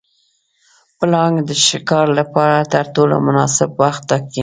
پړانګ د ښکار لپاره تر ټولو مناسب وخت ټاکي.